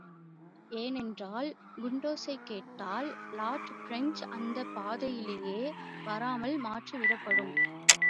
ஏனென்றால் குண்டோசைகேட்டால் Lord French அந்தப்பாதையிலேயே வராமல் மாற்றப்பட்டுவிடும்.